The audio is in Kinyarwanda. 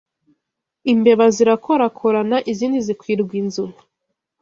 Imbeba zirakorakorana izindi zikwirwa inzu